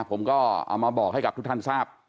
ผมก็เอามาบอกให้กับทุกท่านทราบ